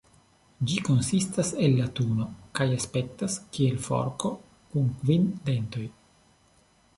Ĝi konsistas el latuno kaj aspektas kiel forko kun kvin dentoj.